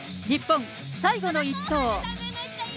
日本、最後の一投。